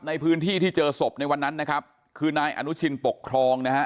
ในพื้นที่ที่เจอศพในวันนั้นนะครับคือนายอนุชินปกครองนะฮะ